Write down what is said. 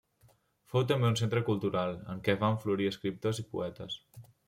Fou també un centre cultural, en què van florir escriptors i poetes.